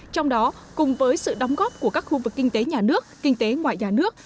trong đó cùng với sự đóng góp của các khu vực kinh tế nhà nước kinh tế ngoại nhà nước